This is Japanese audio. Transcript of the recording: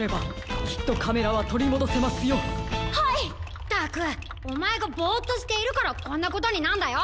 ったくおまえがぼっとしているからこんなことになんだよ。